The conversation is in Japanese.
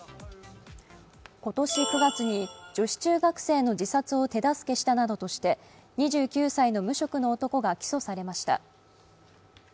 今年９月に女子中学生の自殺を手助けしたなどとして２９歳の無職の男が起訴されました。